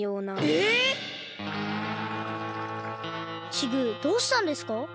チグどうしたんですか？